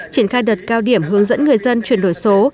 triển khai đợt cao điểm hướng dẫn người dân chuyển đổi số